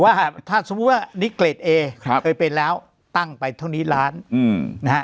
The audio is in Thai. ว่าถ้าสมมุติว่านิเกรดเอเคยเป็นแล้วตั้งไปเท่านี้ล้านนะฮะ